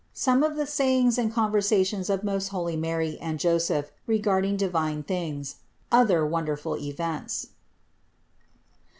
SOME OF THE SAYINGS AND CONVERSATIONS OF MOST HOIvY MARY AND JOSEPH REGARDING DIVINE THINGS; OTHER WONDERFUL EVENTS.